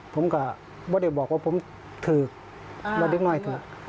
ผมกับพวกเด็กบอกว่าผมถือกบะเด็กหน่อยถือก